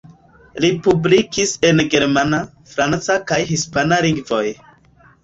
Li publikis en germana, franca kaj hispana lingvoj.